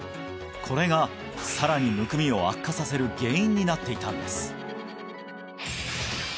これがさらにむくみを悪化させる原因になっていたんです